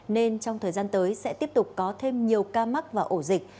nên trong thời gian tới sẽ tiếp tục có thêm nhiều ca mắc và ổ dịch